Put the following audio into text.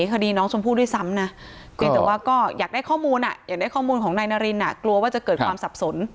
คดีน้องชมพู่ด้วยซ้ำนะเพียงแต่ว่าก็อยากได้ข้อมูลอยากได้ข้อมูลของนายนารินกลัวว่าจะเกิดความสับสน